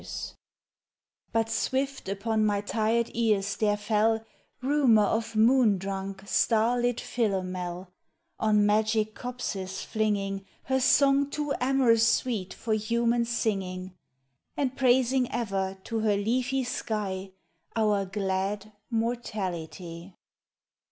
69 LOVE'S MORTALITY But swift upon my tired ears there fell Rumour of moon drunk, star lit Philomel, On magic copses flinging Her song too amorous sweet for human singing, And praising ever to her leafy sky Our glad mortality.